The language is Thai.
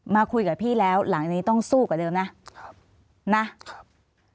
มาคุยกับพี่แล้วหลังนี้ต้องสู้กว่าเดิมนะครับ